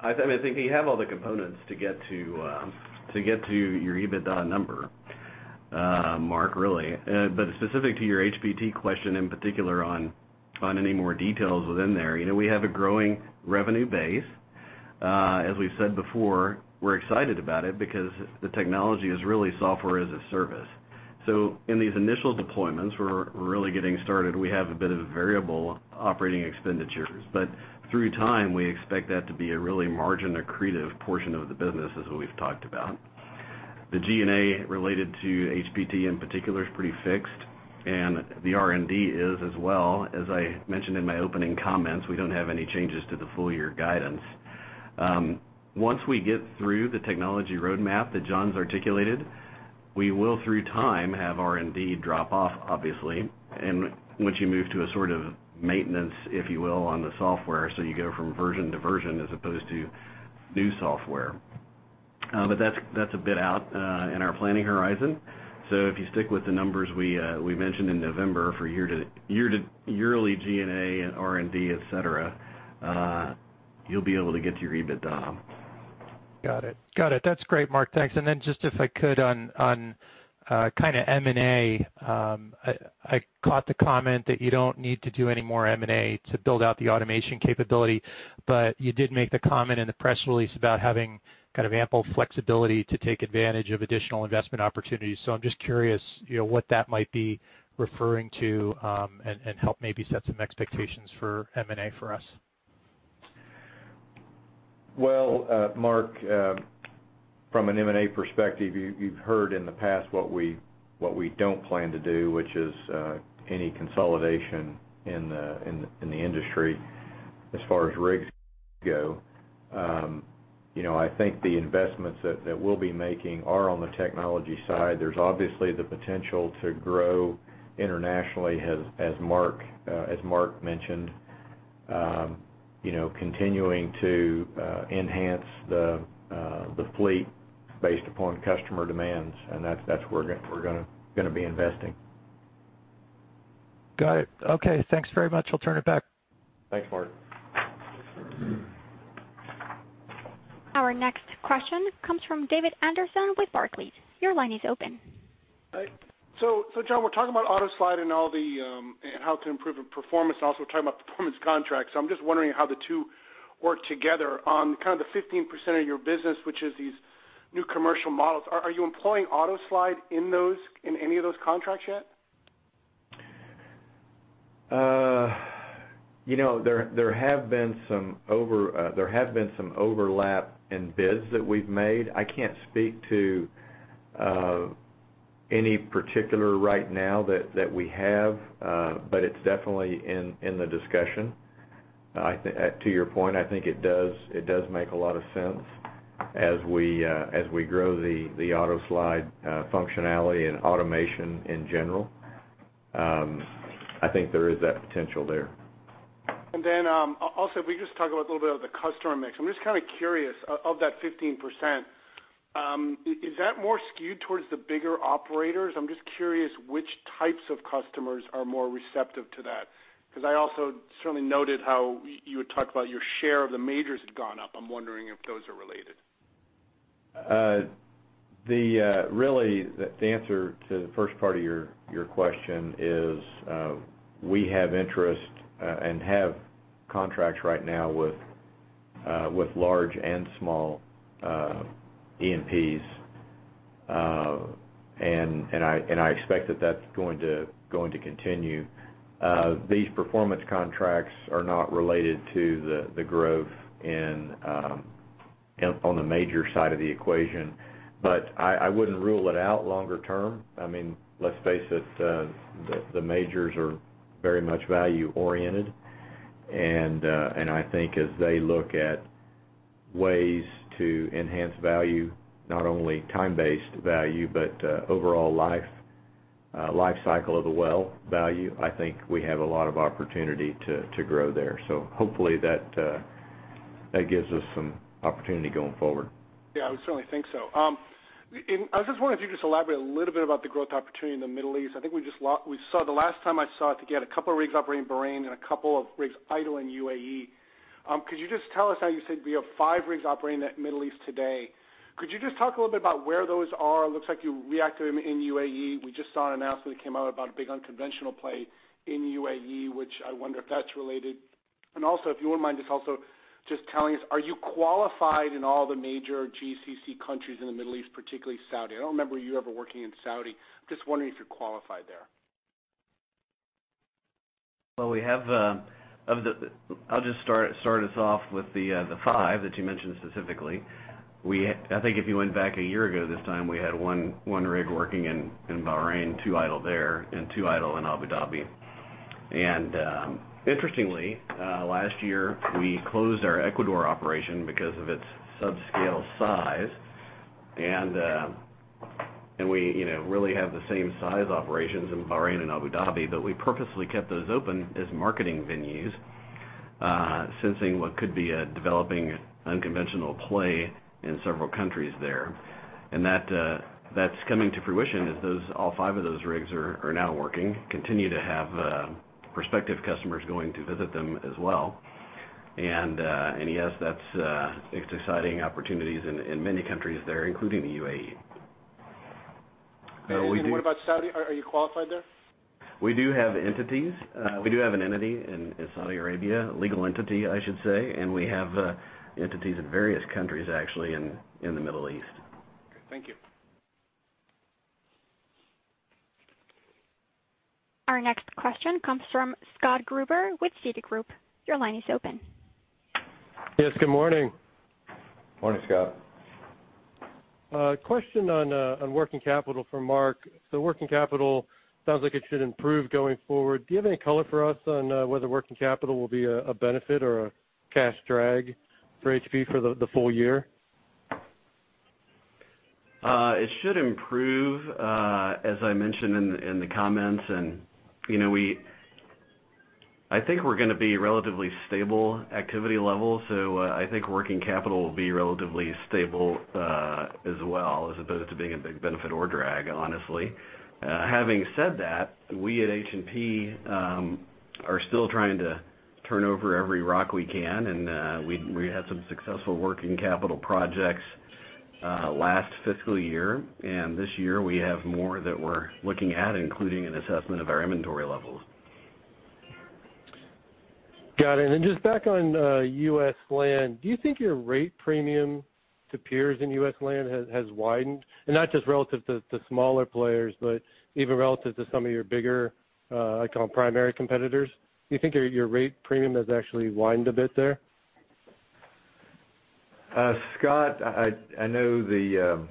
I think you have all the components to get to your EBITDA number, Marc, really. Specific to your HPT question in particular on any more details within there, we have a growing revenue base. As we've said before, we're excited about it because the technology is really software as a service. In these initial deployments, we're really getting started. We have a bit of a variable operating expenditures, through time, we expect that to be a really margin-accretive portion of the business, as we've talked about. The G&A related to HPT in particular is pretty fixed, the R&D is as well. As I mentioned in my opening comments, we don't have any changes to the full year guidance. Once we get through the technology roadmap that John's articulated, we will, through time, have R&D drop off, obviously. Once you move to a sort of maintenance, if you will, on the software, so you go from version to version as opposed to new software. That's a bit out in our planning horizon. If you stick with the numbers we mentioned in November for yearly G&A and R&D, et cetera, you'll be able to get to your EBITDA. That's great, Mark, thanks. Then just if I could on kind of M&A. I caught the comment that you don't need to do any more M&A to build out the automation capability, but you did make the comment in the press release about having kind of ample flexibility to take advantage of additional investment opportunities. I'm just curious what that might be referring to and help maybe set some expectations for M&A for us? Well, Marc, from an M&A perspective, you've heard in the past what we don't plan to do, which is any consolidation in the industry as far as rigs go. I think the investments that we'll be making are on the technology side. There's obviously the potential to grow internationally as Mark mentioned, continuing to enhance the fleet based upon customer demands. That's where we're gonna be investing. Thanks very much. I'll turn it back. Thanks, Marc. Our next question comes from David Anderson with Barclays. Your line is open. Hi. John, we're talking about AutoSlide and how it can improve in performance, and also we're talking about performance contracts. I'm just wondering how the two work together on kind of the 15% of your business, which is these new commercial models. Are you employing AutoSlide in any of those contracts yet? There have been some overlap in bids that we've made. I can't speak to any particular right now that we have. It's definitely in the discussion. To your point, I think it does make a lot of sense as we grow the AutoSlide functionality and automation in general. I think there is that potential there. Also if we could just talk a little bit about the customer mix. I'm just curious, of that 15%, is that more skewed towards the bigger operators? I'm just curious which types of customers are more receptive to that, because I also certainly noted how you had talked about your share of the majors had gone up. I'm wondering if those are related? Really, the answer to the first part of your question is, we have interest and have contracts right now with large and small E&Ps, and I expect that that's going to continue. These performance contracts are not related to the growth on the major side of the equation, but I wouldn't rule it out longer term. Let's face it, the majors are very much value oriented, and I think as they look at ways to enhance value, not only time-based value, but overall life cycle of the well value, I think we have a lot of opportunity to grow there. Hopefully that gives us some opportunity going forward. I would certainly think so. I was just wondering if you could just elaborate a little bit about the growth opportunity in the Middle East. I think the last time I saw it, you had a couple of rigs operating in Bahrain and a couple of rigs idle in U.A.E.. Could you just tell us how you said we have five rigs operating in that Middle East today. Could you just talk a little bit about where those are? It looks like you reacted in U.A.E.. We just saw an announcement that came out about a big unconventional play in U.A.E., which I wonder if that's related. Also, if you wouldn't mind, just also telling us, are you qualified in all the major GCC countries in the Middle East, particularly Saudi? I don't remember you ever working in Saudi. I'm just wondering if you're qualified there. Well, I'll just start us off with the five that you mentioned specifically. I think if you went back a year ago this time, we had one rig working in Bahrain, two idle there, and two idle in Abu Dhabi. Interestingly, last year we closed our Ecuador operation because of its subscale size, and we really have the same size operations in Bahrain and Abu Dhabi. We purposely kept those open as marketing venues, sensing what could be a developing unconventional play in several countries there. That's coming to fruition as all five of those rigs are now working, continue to have prospective customers going to visit them as well. Yes, that's exciting opportunities in many countries there, including the U.A.E.. What about Saudi? Are you qualified there? We do have entities. We do have an entity in Saudi Arabia, a legal entity, I should say, and we have entities in various countries, actually, in the Middle East. Thank you. Our next question comes from Scott Gruber with Citigroup. Your line is open. Yes, good morning. Morning, Scott. Question on working capital for Mark. Working capital sounds like it should improve going forward. Do you have any color for us on whether working capital will be a benefit or a cash drag for H&P for the full year? It should improve, as I mentioned in the comments. I think we're going to be relatively stable activity level. I think working capital will be relatively stable as well, as opposed to being a big benefit or drag, honestly. Having said that, we at H&P are still trying to turn over every rock we can, and we had some successful working capital projects last fiscal year. This year, we have more that we're looking at, including an assessment of our inventory levels. Got it. Just back on U.S. land, do you think your rate premium to peers in U.S. land has widened? Not just relative to smaller players, but even relative to some of your bigger, I call them primary competitors? Do you think your rate premium has actually widened a bit there? Scott, I know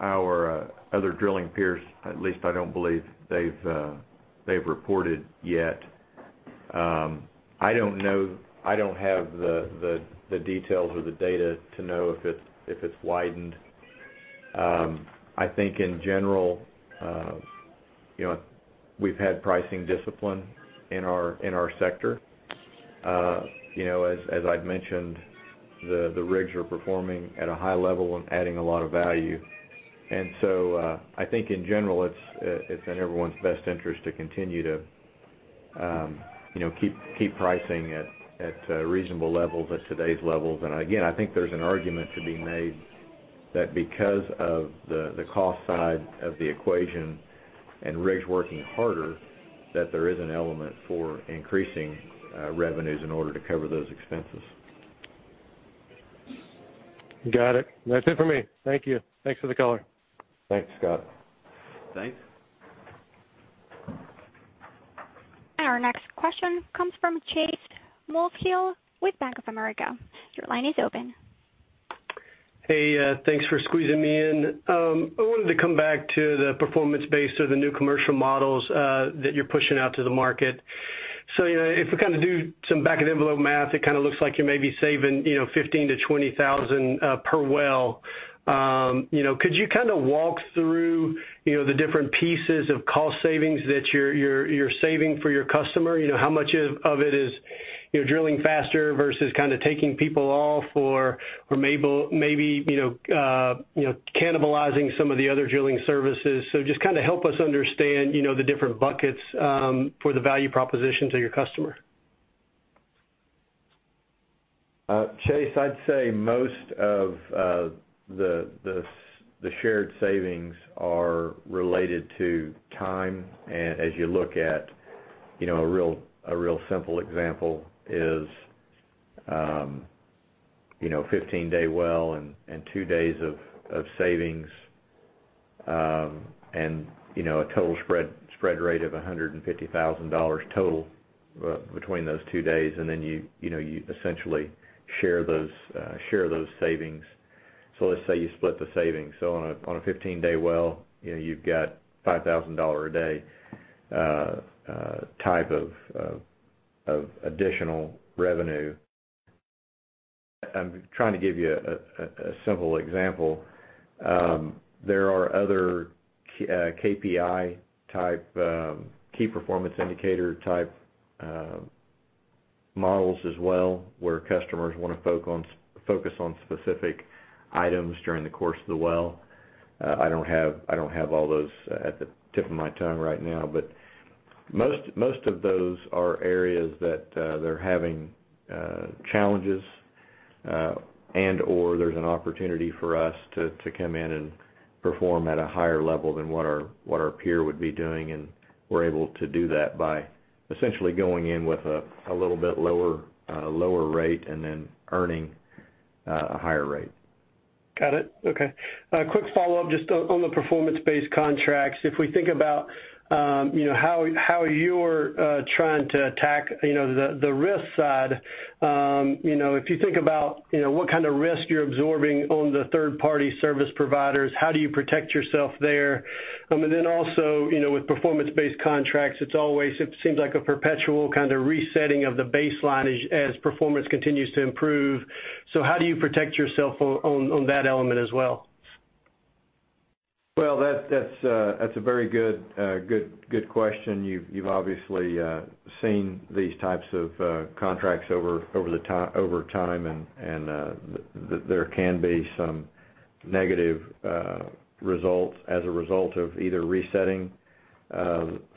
our other drilling peers, at least I don't believe they've reported yet. I don't have the details or the data to know if it's widened. I think in general we've had pricing discipline in our sector. As I'd mentioned, the rigs are performing at a high level and adding a lot of value. I think in general, it's in everyone's best interest to continue to keep pricing at reasonable levels, at today's levels. Again, I think there's an argument to be made that because of the cost side of the equation and rigs working harder, that there is an element for increasing revenues in order to cover those expenses. That's it for me. Thank you. Thanks for the call. Thanks, Scott. Thanks. Our next question comes from Chase Mulvehill with Bank of America. Your line is open. Hey, thanks for squeezing me in. I wanted to come back to the performance base of the new commercial models that you're pushing out to the market. If we do some back of the envelope math, it looks like you may be saving $15,000-$20,000 per well. Could you walk through the different pieces of cost savings that you're saving for your customer? How much of it is drilling faster versus taking people off or maybe cannibalizing some of the other drilling services. Just help us understand the different buckets for the value proposition to your customer? Chase, I'd say most of the shared savings are related to time. As you look at a real simple example is a 15-day well and two days of savings, and a total spread rate of $150,000 total between those two days, then you essentially share those savings. Let's say you split the savings. On a 15-day well, you've got $5,000 a day type of additional revenue. I'm trying to give you a simple example. There are other KPI type, key performance indicator type models as well, where customers want to focus on specific items during the course of the well. I don't have all those at the tip of my tongue right now, but most of those are areas that they're having challenges, and/or there's an opportunity for us to come in and perform at a higher level than what our peer would be doing. We're able to do that by essentially going in with a little bit lower rate and then earning a higher rate. A quick follow-up just on the performance-based contracts. If we think about how you're trying to attack the risk side. If you think about what kind of risk you're absorbing on the third-party service providers, how do you protect yourself there? Also, with performance-based contracts, it seems like a perpetual kind of resetting of the baseline as performance continues to improve. How do you protect yourself on that element as well? Well, that's a very good question. You've obviously seen these types of contracts over time, and there can be some negative results as a result of either resetting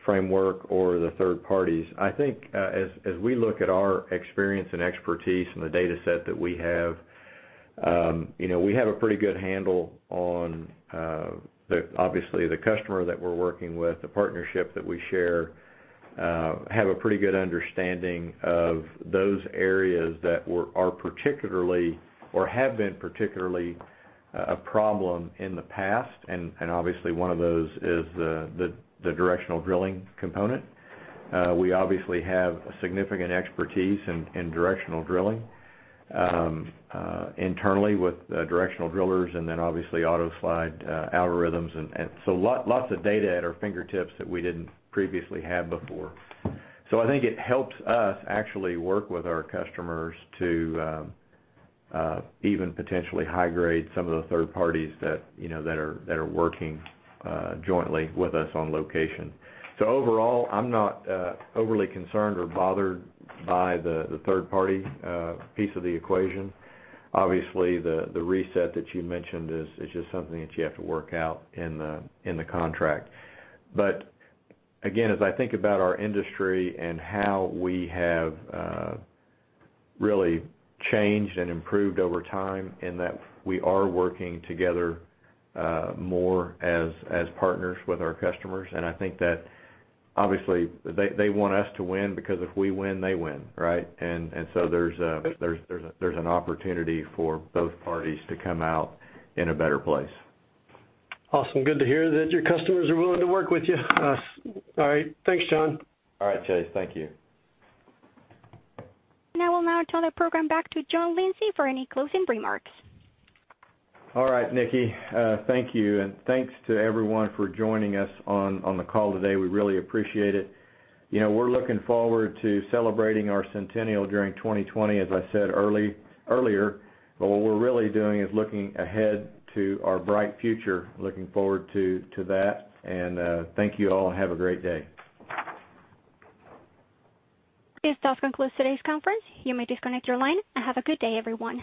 framework or the third parties. I think, as we look at our experience and expertise and the data set that we have. We have a pretty good handle on obviously the customer that we're working with, the partnership that we share, have a pretty good understanding of those areas that are particularly or have been particularly a problem in the past, and obviously, one of those is the directional drilling component. We obviously have a significant expertise in directional drilling, internally with directional drillers and then obviously AutoSlide algorithms. Lots of data at our fingertips that we didn't previously have before. I think it helps us actually work with our customers to even potentially high grade some of the third parties that are working jointly with us on location. Overall, I'm not overly concerned or bothered by the third party piece of the equation. Obviously, the reset that you mentioned is just something that you have to work out in the contract. Again, as I think about our industry and how we have really changed and improved over time in that we are working together more as partners with our customers. I think that obviously they want us to win because if we win, they win, right? There's an opportunity for both parties to come out in a better place. Good to hear that your customers are willing to work with you. All right. Thanks, John. All right, Chase. Thank you. I will now turn the program back to John Lindsay for any closing remarks. All right. Nikki, thank you. Thanks to everyone for joining us on the call today. We really appreciate it. We're looking forward to celebrating our centennial during 2020, as I said earlier. What we're really doing is looking ahead to our bright future. Looking forward to that. Thank you all. Have a great day. This does conclude today's conference. You may disconnect your line, and have a good day, everyone.